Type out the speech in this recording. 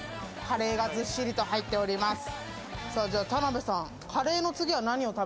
カレーがずっしりと入っております。